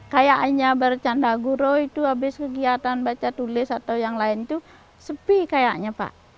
kayaknya bercanda guru itu habis kegiatan baca tulis atau yang lain itu sepi kayaknya pak